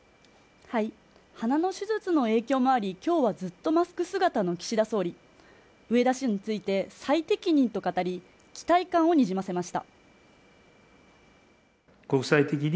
鼻の手術の影響もありきょうはずっとマスク姿の岸田総理植田氏について最適任と語り期待感をにじませました